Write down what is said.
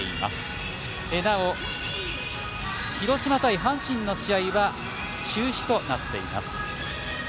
なお、広島対阪神の試合は中止となっています。